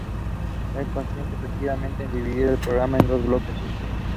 Guy Whitmore received the Lifetime Achievement Award.